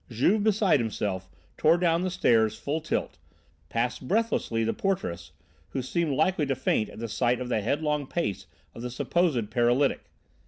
Juve beside himself tore down the stairs full tilt, passed breathlessly the porteress, who seemed likely to faint at the sight of the headlong pace of the supposed paralytic.